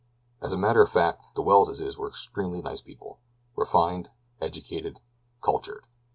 As a matter of fact the Welleses were extremely nice people. Refined, educated cultured.